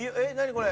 これ。